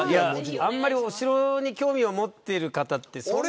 あんまり、お城に興味を持っている方ってそんなに。